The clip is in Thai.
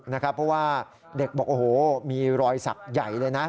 เพราะว่าเด็กบอกโอ้โหมีรอยสักใหญ่เลยนะ